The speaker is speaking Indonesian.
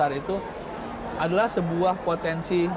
yang besar itu adalah sebuah potensi